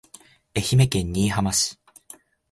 愛媛県新居浜市